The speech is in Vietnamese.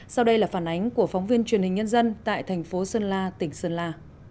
sau đây là phản ánh của phóng viên truyền hình nhân dân tại thành phố sơn la tỉnh sơn la